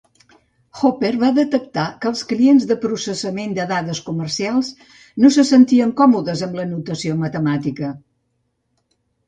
Hopper va detectar que els clients de processament de dades comercials no se sentien còmodes amb la notació matemàtica.